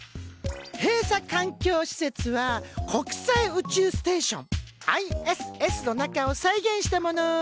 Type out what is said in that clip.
閉鎖環境施設は国際宇宙ステーションＩＳＳの中を再現したもの。